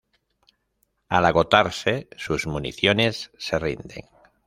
Al agotarse sus municiones se rinden.